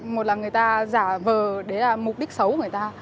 một là người ta giả vờ đấy là mục đích xấu của người ta